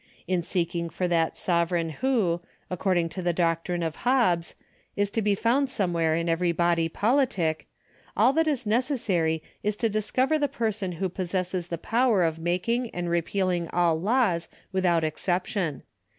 In seeking for that sovereign who, according to the doctrine of Hobbes, is to be found somewhere in every body politic, all that is necessary is to dis cover the person who possesses the power of making and repealing all laws without exception.